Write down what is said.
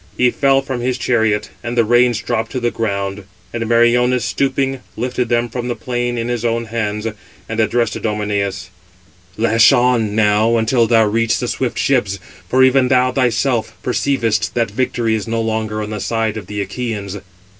He fell from his chariot, and the reins dropped to the ground; and Meriones, stooping, lifted them from the plain in his own hands, and addressed Idomeneus: "Lash on, now, until thou reach the swift ships; for even thou thyself perceivest that victory is no longer on the side of the Achæans."